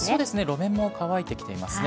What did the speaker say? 路面も乾いてきていますね。